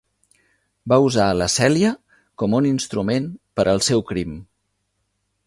Va usar la Celia com un instrument per al seu crim.